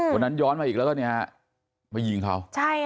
วันนั้นย้อนมาอีกแล้วก็เนี่ยฮะไปยิงเขา